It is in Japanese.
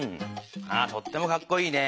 あとってもかっこいいね。